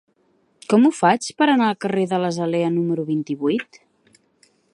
Com ho faig per anar al carrer de l'Azalea número vint-i-vuit?